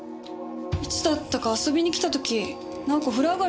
いつだったか遊びに来た時直子